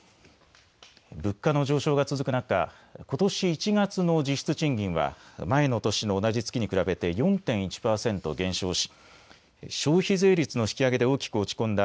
物価の上昇が続く中、ことし１月の実質賃金は前の年の同じ月に比べて４．１％減少し消費税率の引き上げで大きく落ち込んだ